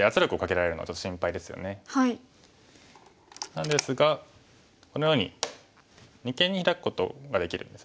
なんですがこのように二間にヒラくことができるんですよね。